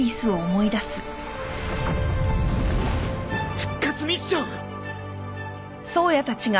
復活ミッション！